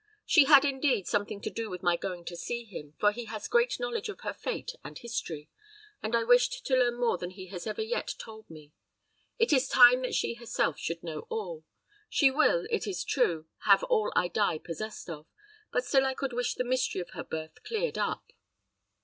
She had, indeed, something to do with my going to see him, for he has great knowledge of her fate and history; and I wished to learn more than he has ever yet told me. It is time that she herself should know all. She will, it is true, have all I die possessed of; but still I could wish the mystery of her birth cleared up."